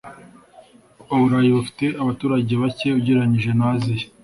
Uburayi bufite abaturage bake ugereranije na Aziya.